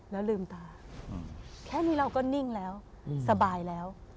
แล้วลืมตาแค่นี้เราก็นิ่งแล้วสบายแล้ว